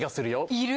いる？